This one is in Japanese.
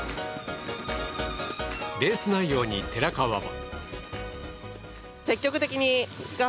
レース内容に寺川は。